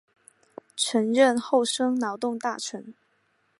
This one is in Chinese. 曾任厚生劳动大臣。